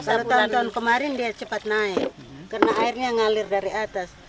baru tahun tahun kemarin dia cepat naik karena airnya ngalir dari atas